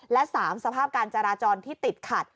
และ๓สภาพการจราจรที่ติดขัด